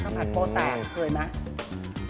เพราะฉะนั้นถ้าใครอยากทานเปรี้ยวเหมือนโป้แตก